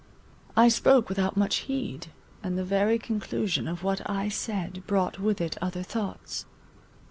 I spoke without much heed, and the very conclusion of what I said brought with it other thoughts.